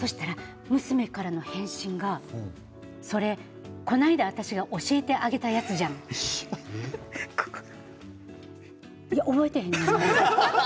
娘からの返信がそれ、この間私が教えてあげたやつじゃん覚えてへんの。